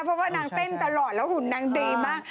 เพราะว่านางเต้นตลอดแล้วหุ่นนางดีมาก